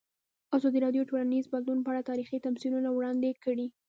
ازادي راډیو د ټولنیز بدلون په اړه تاریخي تمثیلونه وړاندې کړي.